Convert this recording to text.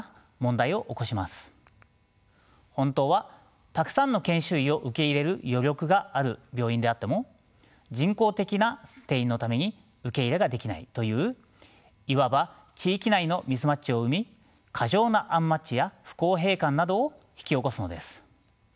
本当はたくさんの研修医を受け入れる余力がある病院であっても人工的な定員のために受け入れができないといういわば地域内のミスマッチを生み過剰なアンマッチや不公平感などを引き起こすのです。